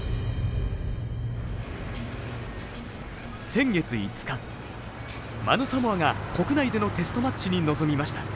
先月５日マヌ・サモアが国内でのテストマッチに臨みました。